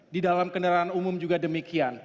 di dalam kendaraan umum juga demikian